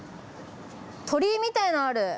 鳥居みたいなのある。